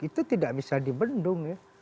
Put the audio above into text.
itu tidak bisa dibendung